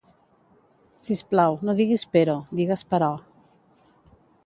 Sisplau, no diguis pero, digues però.